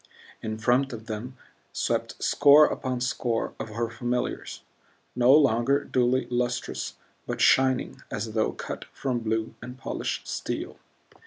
In front of them swept score upon score of her familiars no longer dully lustrous, but shining as though cut from blue and polished steel.